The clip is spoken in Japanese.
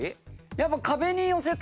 やっぱ。